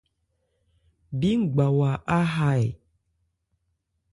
Bí ngbawa á ha ɛ ?